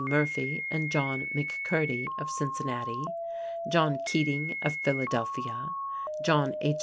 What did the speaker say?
Murphy and John McCurdy of Cincinnati; John Keating of Philadelphia; John H.